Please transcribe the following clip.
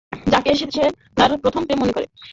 যাকে সে তার প্রথম প্রেম মনে করে।